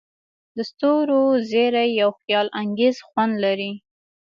د ستورو زیرۍ یو خیالانګیز خوند لري.